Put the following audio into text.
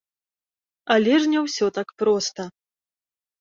Але ж не ўсё так проста.